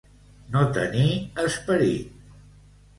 No tenir esperit.